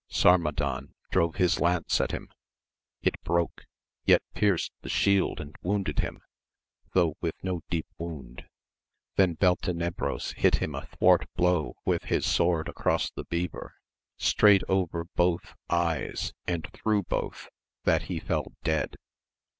Sarmadan drove his lance at him, it broke, yet pierced the shield and wounded him, though with no deep wound. Then Beltenebros hit him a thwart blow with his sword across the bever, straight over both AMADIS OF GAUL 67 eyes, and through both, that he fell dead.